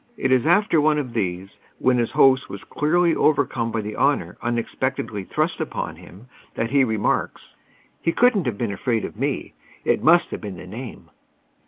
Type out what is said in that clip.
It is after one of these, when his host was clearly overcome by the honor unexpectedly thrust upon him, that he remarks : "He couldn t have been afraid of me] it must have been of the name."